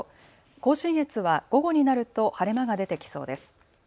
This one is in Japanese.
甲信越は午後になると晴れ間が出てきそうです。